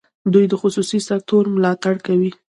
دوی د خصوصي سکټور ملاتړ کوي.